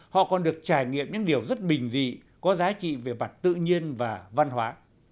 họ còn được trải nghiệm những điều rất bình dị có giá trị về mặt tự nhiên và văn hóa